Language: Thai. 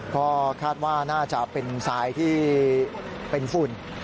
ก็คาดว่าน่าจะเป็นทรายที่เป็นฝุ่น